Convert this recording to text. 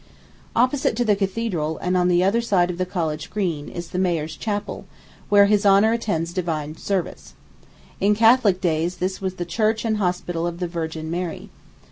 Opposite to the cathedral, and on the other side of the college green, is the Mayor's Chapel, where his honor attends divine service. In Catholic days, this was the Church and Hospital of the Virgin Mary.